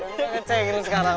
nggak ngecekin sekarang